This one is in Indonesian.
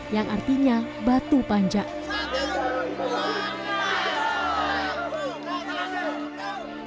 yang artinya batu panjang